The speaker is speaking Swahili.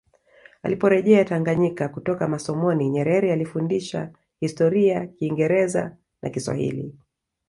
Aliporejea Tanganyika kutoka masomoni Nyerere alifundisha Historia Kingereza na Kiswahili